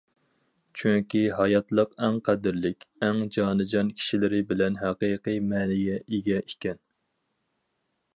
چۈنكى ھاياتلىق ئەڭ قەدىرلىك، ئەڭ جانىجان كىشىلىرى بىلەن ھەقىقىي مەنىگە ئىگە ئىكەن!...